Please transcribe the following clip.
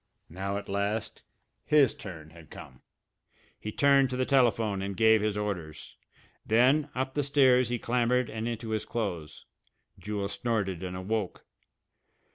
Now, at last, his turn had come! He turned to the telephone and gave his orders. Then up the stairs he clambered and into his clothes. Jewel snorted and awoke.